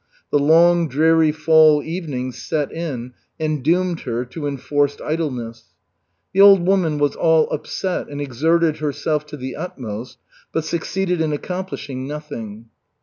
The long dreary fall evenings set in and doomed her to enforced idleness. The old woman was all upset and exerted herself to the utmost, but succeeded in accomplishing nothing.